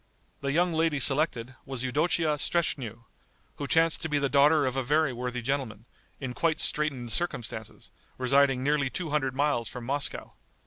The young lady selected, was Eudocia Streschnew, who chanced to be the daughter of a very worthy gentleman, in quite straitened circumstances, residing nearly two hundred miles from Moscow.